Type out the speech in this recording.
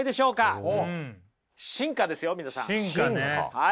はい。